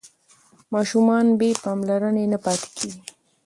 ماشومان بې پاملرنې نه پاتې کېږي.